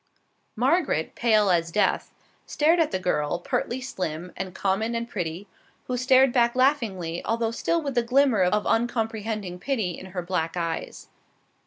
Margaret, pale as death, stared at the girl, pertly slim, and common and pretty, who stared back laughingly, although still with the glimmer of uncomprehending pity in her black eyes.